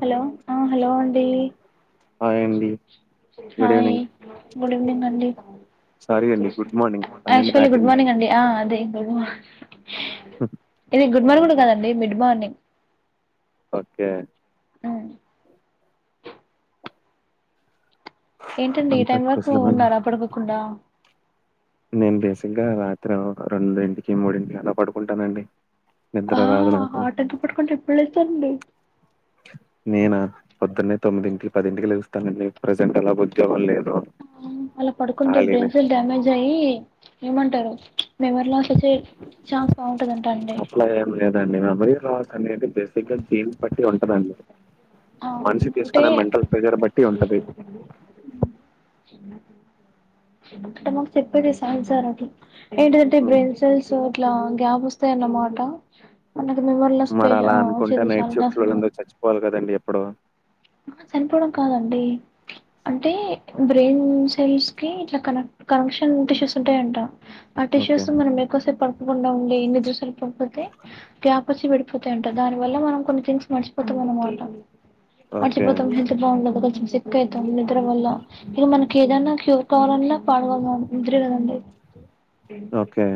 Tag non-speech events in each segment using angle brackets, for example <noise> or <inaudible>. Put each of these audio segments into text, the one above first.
Hello ఆ hello అండి hi అండి good hi evening good evening అండి సారీ అండి గుడ్ మార్నింగ్ పన్నెండు ఆక్చువలీ గుడ్ దాటింది మార్నింగ్ అండి ఆ అదే ఇది గుడ్ మార్నింగ్ కూడా కదండి మిడ్ మార్నింగ్ ఓకే అ ఏంటండి ఈ అంతా టైం వరకు కుశలమేనా ఉన్నారా పడకోకుండా నేను బేసిక్గా రాత్రి ఒక రెండుంటికి మూడింటికి అలా పడుకుంటానండి. నిద్ర హా రాదు నాకు ఆ టైమ్ కి పడుకుంటే ఎప్పుడు లెత్తరండి నేన పొద్దున్న తొమ్మిదింటికి పదింటికి లేలుగుస్తానండి ప్రజెంట్ అలా ఉద్యోగం లేదు అలా పడుకుంటే ఖాళీనే బ్రెయిన్ సెల్ డ్యామేజ్ గయీ ఏమంటరు మెమరీ లాస్ వచ్చే ఛాన్స్ బాగుంటందంట అండి అట్లా లేదండి మెమరీ లాస్ అనేది బెస్ గ గేమ్ బట్టి ఉంటదండి, ఆ మనిషి తీసుకునే మెంటల్ ప్రెజర్ బట్టి ఉంటది అంటె మాకు చెప్పేది సైన్స్ సారది ఏంటిదంటె ఉమ్. బ్రెయిన్ సెల్స్ ఇట్లా గ్యాప్ వస్తాయన్నమాట మనకి మెమరీ లాస్ పేషంట్ హా ఉంటే నైట్ షిఫ్ట్ లొల్లన్దరు చచ్చిపోవాలి గదండి ఎప్పుడో అహ్ చనిపోవడం కాదండి అంటే బ్రెయిన్ సెల్స్ కి ఇట్లా కనెక్ కనెక్షన్ టిష్యూస్ ఉంటాయంట ఆ ఓకే టిష్యూస్ మనం ఎక్వసేపు పడుకోకుండా ఉండీ నిద్దర సరిపోకపోతే గ్యాపొచ్చి పడిపోతాయంట, దాని వల్ల మనం కొన్ని థింగ్స్ మరిచిపోతాం అనమాట ఓకే మర్చిపోతం హెల్త్ బాగుండదు కొంచెం సిక్ అయితాం నిద్ర వల్ల ఇగ మనకి ఏదైనా క్యూ కోవాలన్న పడుకోవడం నిద్రే కదండి ఓకే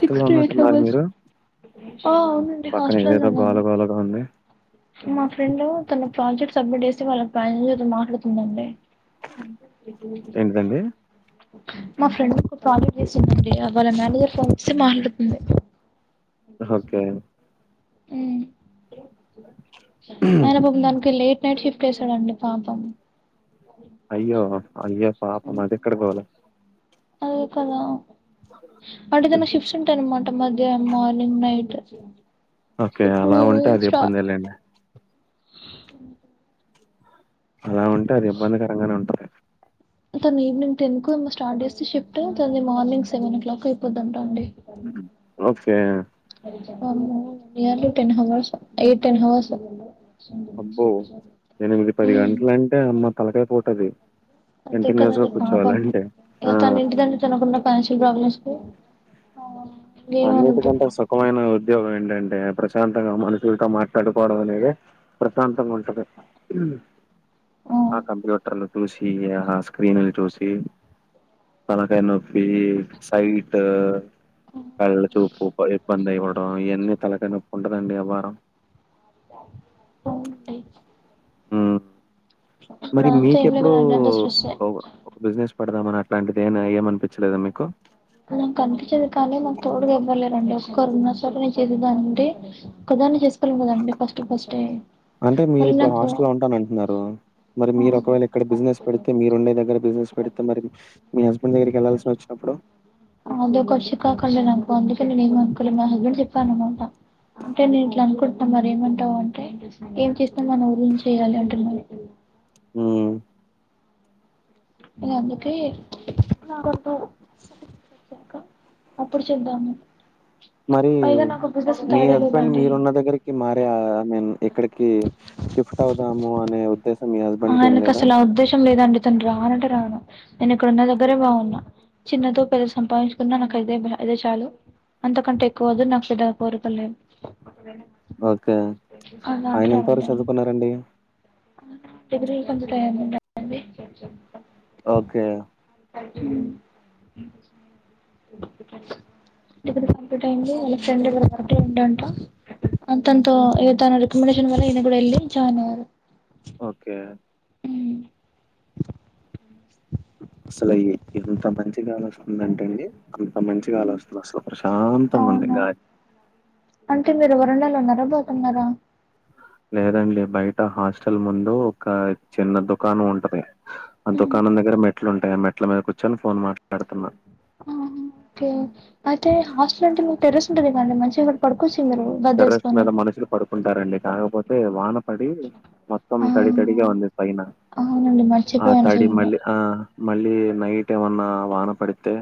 సిక్స్ టూ ఎయిట్ ఉన్నట్టున్నారు హవర్స్ మీరు? ఆ అవునండ్ డి పక్కన హస్టల్లోనే ఏదేదో గోల ఉన్నాను గోలగా ఉంది. మా ఫ్రెండ్ తన ప్రాజెక్ట్ సబ్మిట్ చేసి వాళ్ళ మేనేజర్ తోని మాట్లాడుతుందండి అంత <unintelligible> ఏంటిదండి? మా ఫ్రెండ్స్ ఒక ప్రాజెక్ట్ జేస్తుందండి వాళ్ళ నలుగురు ఫోన్స్ తో మాట్లాడుతుంది ఓకే ఉమ్ అరె పాపం దానికి లేట్ నైట్ షిఫ్ట్ చేస్తదండి పాపం అయ్యో అయ్యో ఉమ్. పాపమదేక్కడ గోల అదే కదా అంటే తనక్ షిఫ్స్ ఉంటాయన్నమాట మధ్య, మార్నింగ్, నైట్ ఓకే. అలా ఇప్పుడూ ఉంటే అది స్టా ఇబ్బందేలెండి. అలా ఉంటే అది ఇబ్బందికరంగానే ఉంటది తను ఈవినింగ్ టెన్ కేమో స్టార్ట్ జేస్తే షిఫ్ట్ తనది మార్నింగ్ సెవెన్ ఓ క్లాక్ అయిపోద్ధంటా అండి ఉమ్ ఓకే వామ్మో nearly ten hours eight ten hours అబ్బో ఎనిమిది పది హ్మ్ గంటలంటే అమ్మ తలకాయ్ పోతది అంతే కంటిన్యూస్ గ కదండి పాపం కూర్చోవాలంటే ఆ! ఇగ తను ఇంటికాడ తనకున్న ఫైనాన్షియల్ ప్రాబ్లమ్స్ కి అవున్ అన్నిటికంటే సుఖమైన ఉద్యోగం ఏంటంటే ప్రశాంతంగా మనుషులతో మాట్లాడుకోవడం అనేది ప్రశాంతంగా ఉంటది ఆ కంప్యూటర్లు చూసి ఆ స్క్రీన్లు చూసి తలకాయ నొప్పి సైట్ కళ్ళ చూపు ప ఇబ్బందఅయిపోవడం ఇవన్నీ తలకాయ్ నొప్పుంటదండి యవ్వారం అవునండి హ్మ్. ఇప్పుడు మరి అంతా ఏం మీకెప్పుడు లేదండి అంతా స్ట్రెస్సే ఒక్ ఒక బిజినెస్ పెడదామని అట్లాంటిదియేన ఏమనిపించలేదా మీకు నాక్ అనిపించేది కానీ నాకు తోడుగెవ్వరు లేర్ రండి ఒక్కరున్న సరే నెన్ చేసేదాన్నండి ఒకదాన్ని చేసుకోలేం కదండి ఫస్ట్ ఫస్టె అంటే మీరిప్పుడు హాస్టల్లో ఉంటానన్టున్నారు మరి మీరు ఒకవేళ ఇక్కడ బిజినెస్ పెడితే మీరు ఉండే దగ్గర బిజినెస్ పెడితే మరిది మీ హస్బండ్ దగ్గరకెల్లాసోచ్చినప్పుడు అదొక చికాకండి నాకు అందుకే నేను ఏం అనుకోలే మా హస్బెండ్ కి చెప్పాను మొన్న అంటే నేను ఇట్లా అనుకుంటున్నా మరి ఏమంటావు అంటే ఏం చేస్న మన గురించే గదా అంటున్నాడు హు ఇగ అందుకే నాకొద్దు వచ్చాక అప్పుడు చుద్దాము మరి మీ హస్బెండ్ మీరున్న దగ్గరి <unintelligible> మారే ఐ మీన్ ఇక్కడికి షిఫ్ట్ అవుదాము అనే ఉద్దేశం మీ హస్బెండ్‌కేం ఆయనకు లేదా? అసలు ఆ ఉద్దేశం లేదు అండి తను రానంటే రాను నేను ఇక్కడ ఉన్న దగ్గరే బాగున్నా చిన్నతో <unintelligible> సంపాదించుకున్న నాకు అదే అదే చాలు అంత కంటే ఎక్కు <unintelligible> ఓకే ఆయన ఎంతవరకు చదువుకున్నారండి <unintelligible> ఉండండి ఓకే ్యా <unintelligible> కంప్లీట్ <unintelligible> వాళ్ళ ఫ్రెండ్ ఇ్గర బర్త్డే ఉం అంట అంతంతో ఇవి తన రెకమండేషన్ వెళ్ళి <unintelligible> ఓకే అసలు ఎంత మంచి కాల్ వస్తుంద అంటే అండి అంత మంచి కాలో వస్తుంది అసలు ప్రశాంతంగ ఉంది గా అవునా అంటే మీరు వరండాలో ఉన్నార బయట ఉన్నార లేదండి బయట హాస్టల్ ముందు ఒక చిన్న దుకాణం ఉంటది అ ఉమ్ దుకాణం దగ్గర మెట్లుంటాయి ఆ మెట్ల మీద కూర్చొని ఫోన్ మాట్లాడుతున్న ఆ ఓకే అయితే హాస్టల్ అంటే మీకు టెర్రెస్ ఉంటది కదండి మంచిగాక్కడ పడుకొచ్చు మీరు గద్దె టెర్రస్ వేసుకొని మీద మనుషులు పడుకుంటారండి కాకపోతే వాన పడి మొత్తం తడి తడిగా ఉంది పైనా హు మర్చిపోయాను <unintelligible> ఆ మళ్ళీ నైట్ ఏమన్న వాన పడితే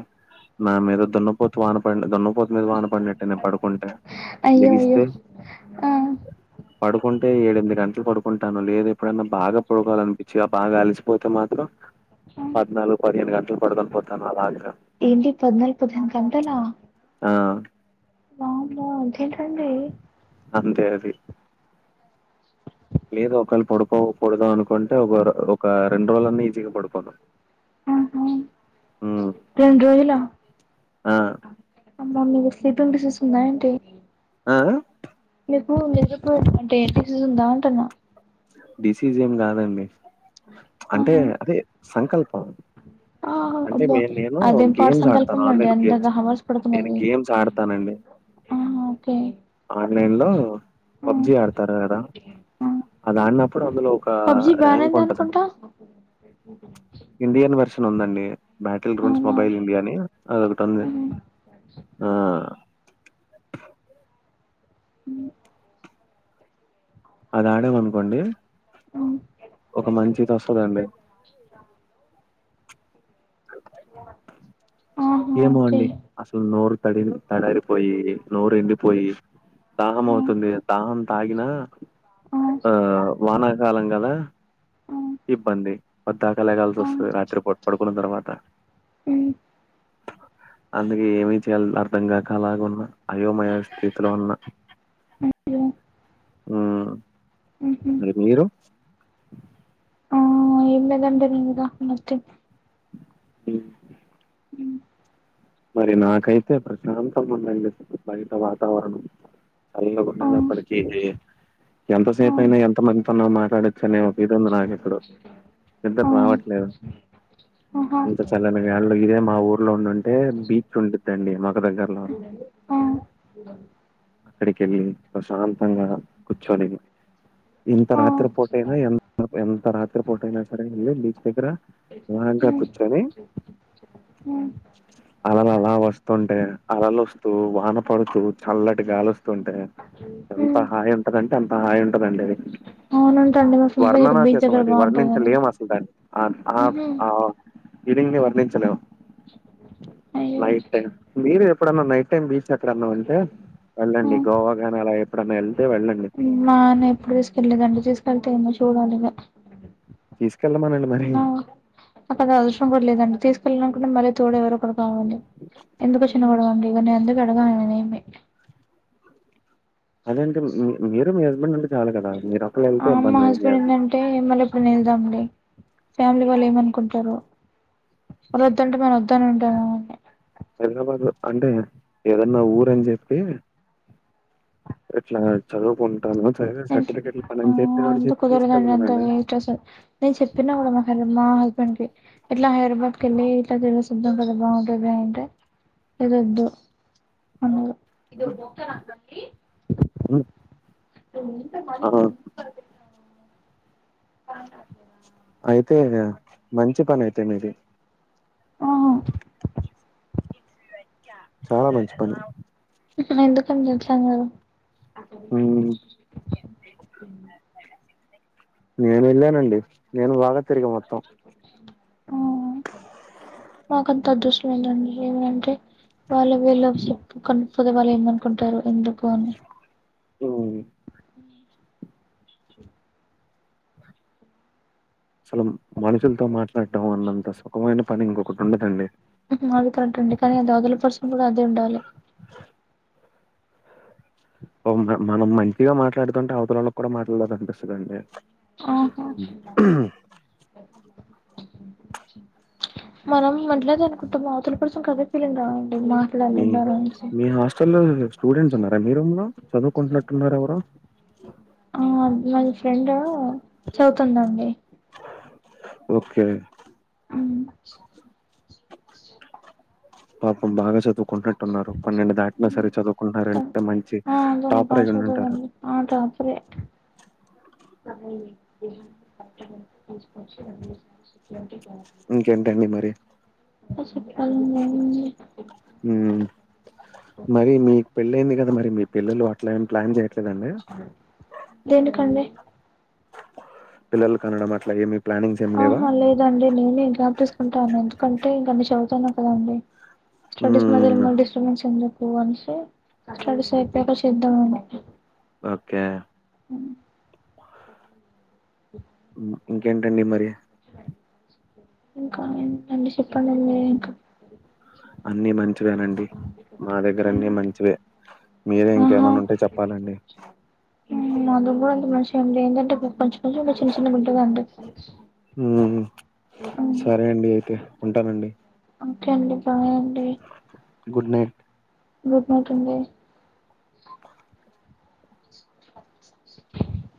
నా మీద దున్నపోతు వాన పడి దున్నపోతు మీద వాన పడినట్టే నేను పడుకుంటే అయ్యో అయ్యో లెగిస్తే ఆ పడుకుంటే ఏడు ఎనిమిది గంటలు పడుకుంటాను లేద ఎప్పుడైన్నా బాగా పడుకోవి అనిపించి ఆ బాగా అలిసిపో పోతే మాత్రం ఆ! పద్నాలుగు పదిహేను గంటలు పడకుని పోతాను అలాగ ఏంటి పద్నాలుగు పద్దహెను గంటల ఆ ఆ ఆ ఒకే అండి అంతే అది లేదు ఒకేళ పడిపోవు పొడదాం అనుకుంటే ఒక ఒక రెండు రోజులన్నీ ఈజీగా పడిపోదాం రెండు రోజుల ఆ! అబ్బా మీకు స్లీపింగ్ డిసీస్ ఉందా ఏంటీ ఆ <unintelligible> డిసీజ్ ఏం కాదండి అంటే ఆహా అదే సంకల్పం ఆ అంటేే అబ్బా నేను అదేం పాడు గేమ్స్ ఆడతాను సంకల్పం అండి ఆన్లైన్ గేమ్స్ అందాక హవర్స్ నేను పడుతున్నది గేమ్స్ ఆడతానండి ఆ ఒకే ఆన్లైన్ లో పబ్జి ఆడతారు కదా ఆ అది ఆడినప్పుడు అందులో ఒక పబ్జి బ్యాన్ ర్యాం <unintelligible> అయింది ఉంటద అనుకుంటా ఇండియన్ వర్షన్ ఉందండి. బ్యాటిల్ గ్రౌండ్స్ అవునా మొబైల్ ఇండియాని, అదొకటుంది ఉమ్, ఆ ఉమ్ అది ఆడేమనుకోండి, ఉమ్. ఒక మంచి ఇది ఒస్తదండి. అ హై ఫై ఆహా ఏమో ఓకే అండి, అసలు నోరు తడిన్ తడారిపోయి, నోరు ఎండిపోయి దాహం ఆ అవుతుంది దాహం తాగిన, ఆ వానాకాలం గదా ఆ ఇబ్బంది, పాద్దాకాలేగాల్సి ఆ. ఓస్తది రాత్రి పూట్ పడుకున్న తర్వాత, ఉమ్, అందుకే ఏమీ చేయాల్ అర్ధగాక అలాగ ఉన్నా, అయోమయ స్థితిలో ఉన్న. <inaudible> లో ఆ ఉహుమ్ మీరు <unintelligible> దండ నిదుగా మిర్చి హలో ఉమ్, మరి నాకైతే ప్రశాంతంగా ఉందండి, అసల్ బయట వాతావరణం. చల్లగా ఆ ఉన్నది అప్పటికీ జేయ్యండ్ ఆ ఎంతసేపైనా ఎంత మందితోన్న మాట్లాడొచ్చు అనే ఒక ఇది ఉంది నాకు ఇప్పుడు. నిద్దర్ రావట్లేదు ఆహ <unintelligible> ళ్ళు ఇదే మా ఊర్లో ఉండుంటే బీచ్ ఉండుద్దండి మాకు దగ్గరలో <unintelligible> డం అక్కడికేళ్ళి ప్రశాంతంగా కూచ్చొని, ఇంత ఆ రాత్రి పూట అయినా ఎం త ఎంత రాత్రి పూట అయినా సరే, ఏళ్ళి బీచ్ దగ్గర అలాగా ఉమ్ కూర్చొని ఉమ్ అలలు అలా వస్తుంటే, అలలోస్తూ వాన పడుతూ, చల్లటి గాలోస్తుంటే ఉ ఎంత ఉ హాయి ఉంటదంటే, అంత హాయి ఉంటదండి అది అవునంటండి మా ఫ్రెండ్ దగ్గర బీచ్ వర్ణనాతీతం దగ్గర అది బాగుంటందని వర్ణించలేం అసల్ దాన్ని ఆన్ ఆ ఉహు ఆ ఆ ఇదింగే వర్ణించలేమ్ ఎక్కడ దొర్కుతాయి నైట్ టైమ్, మీరు ఎప్పుడన్నా నైట్ టైమ్ బీచ్ ఎక్కడన్నా ఉంటే, ఆ ఎళ్ళండి గోవాగానీ అలా ఎప్పుడన్నా ఎళ్తే వెళ్ళండి. నాన్న ఎప్పుడు తీసుకెళ్ళలేదండి, తీసుకెళ్తే ఏమో చూడాలిగా తీస్కెళ్ళమనండి నో అక్కడ అవసరం కూడా లేదండి, తీసుకెళ్ళాలనుకుంటే మళ్ళీ తోడు ఎవరు ఒకరు కావలాండి. ఎందుకొచ్చిన గొడవ అండి, ఇగా నేన్ అందుకే అడగాను ఏమి. అదేంటి మీ మీరు మీ హస్బెండ్ అంటే చాలు గదా, మీర్ ఒక్ ఆమ్ మా హస్బెండ్ ఏంటంటే మళ్ళీ ఎప్పుడన్నా ఎళ్దాంలే, ఫ్యామిలీ వాళ్ళు ఏమనుకుంటారో వాళ్ళు వద్దుంటే మనం వద్దునే అంటంగా హైదరాబాద్లో అంటే ఏదన్నా ఊరని జెప్పి ఇట్లా చదువుకుంటాను చదివిన దాంట్లో సర్టిఫికెట్లు పని అని జెప్పి, చెప్పి తీసుకెళ్ళమానండి. ఎస్ సర్ నేను చెప్పిన కూడా మా ఫ్రెండ్ కి మా హస్బెండ్ కి ఇట్ల హైదరాబాద్ కి వెళ్ళి ఇట్ల తెలుసుకుందాం కదా కదా బాగుంటది అంటే ఇదొద్దు అన్నయ్య మూత ఆ పగిలిపోయింది అవును అయితే ఇగా మంచి పని అయితె నీది ఆహ చాలా మంచి పని ఇప్పుడు ఎందుకండి తెలుసా మీరు ఉ నేను వెళ్ళానండి నేను బాగా తిరిగా మొత్తం ఆ మాకంత అదృష్టం లేదండి ఎందుకంటే వాళ్ళు వీళ్ళు చెప్తే కనిపిస్తే వాళ్ళు ఏమనుకుంటారు ఎందుకు అని ఉ అసలు మనుషులతో మాట్లాడం అన్నంత స్వ ర్గమైన పని ఇంకొకటి ఉండదండి ఎప్పుడు కూడా అదే ఉండాలి మనం మంచిగా మాట్లాడుతుంటే అవతలో ల్లకి కూడా మాట్లాడలీ అనిపిస్తుందండి ఆహ మనం మాట్లాడదాం అనుకుంటం అవతలి పర్సన్ కి అదే ఫీలింగ్ గా ఉంటుంది మాట్లాడీన్ కాడి నుండి అసలు లేదండి స్టూడెంట్స్ ఉన్నార మీ రూమ్ లో చదువుకుంటున్నటున్నారు ఎవరో ఆ మాది ఫ్రెండ్ చదువుతుందండి ఓకే ఉమ్ పాపం బాగ చదువు కుట్టున్నారు పన్నెండు దాటిన సరే చదువుకుంటున్నారు తను అంటే మంచి ఆ దాన్ని టాపర్ బాగా అయి ఉంటారు చదువుదండి ఆ టాపరే <inaudible> ఇంకేంటండి మరి అ చెప్పాలండి ఏముంది ఉమ్ మరి మీకు పెళ్ళయింది కదా మరి మీ పిల్లలు అట్లా ఏమి ప్లాన్ చేయ దేనికండి పిల్లలు కనడం అట్ల ఏమి ప్లానింగ్స్ ఏమి లేవా? ఆహా లేదండి నేనే గ్యాప్ తీసుకుంటాను అన్నాను ఎందుకంటే నేన్ చదువుతున్నాను కదండీ స్టడీస్ మధ్య హ్మ్. ఏమ డిస్టర్బెన్స్ ఎందుకు అనేసి స్టడీస్ అయిపోయాక చేద్దామనీ ఓకే <inaudible> ఉ ఇంకేంటండి మరి ఇంకా ఏంటండీ చెప్పండి మీరు ఇంకా అన్ని మంచివేనండి మా దగ్గర అన్ని మంచివే మీరే ఇంకేమన్నా ఉంటే చెప్పాలండి మావి కూడా అన్ని మంచివేనండి ఏంటంటె చిన్న చిన్న గుంతలు ఉంటాయండి ఉమ్ సరే అండి అయితే ఉంటానండి ఓకే అండి బాయ్ అండి గుడ్ నైట్ గుడ్ నైట్ అండి <unintelligible>